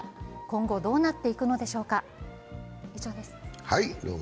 今後、どうなっていくのでしょうか